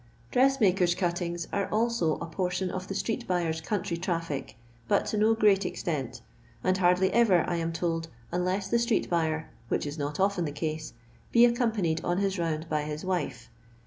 Drettmaktrt cuttinys are also a portion of the street buyer's country tralhc, but to no great ex tent, and hnrdly ever, I am told, unless the street buyer, which is not often the case, be accompanied on his round by his wife.